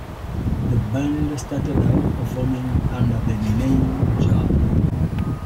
The band started out performing under the name Jar.